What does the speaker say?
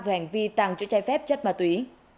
về hành vi tàng chữ chai phép chất ma túy